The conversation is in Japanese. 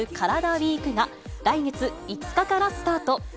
ＷＥＥＫが来月５日からスタート。